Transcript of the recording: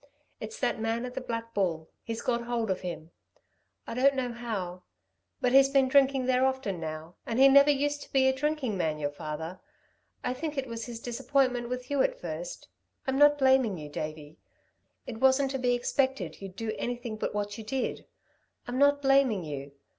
It's that man at the Black Bull. He's got hold of him I don't know how ... but he's been drinking there often now, and he never used to be a drinking man your father. I think it was his disappointment with you at first ... I'm not blaming you, Davey. It wasn't to be expected you'd do anything but what you did. I'm not blaming you.